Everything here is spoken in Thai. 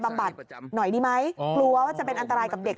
บัดหน่อยดีไหมกลัวว่าจะเป็นอันตรายกับเด็ก